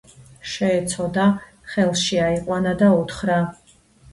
შეეცოდა, ხელში აიყვანა და უთხრა